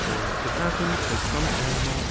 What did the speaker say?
It happens that some animal 1 1^